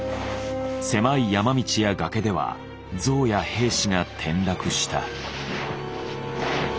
狭い山道や崖ではゾウや兵士が転落した。